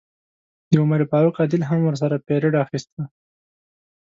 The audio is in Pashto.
د عمر فاروق عادل هم ورسره پیرډ اخیسته.